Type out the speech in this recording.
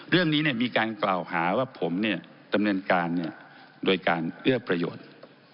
เรื่องนี้เนี่ยมีการกล่าวหาว่าผมเนี่ยดำเนินการเนี่ยโดยการเลือกประโยชน์